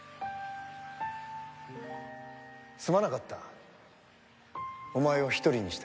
すまなかったお前を一人にして。